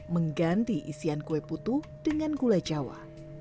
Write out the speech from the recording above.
mengganti isian kue putu dengan gula jawa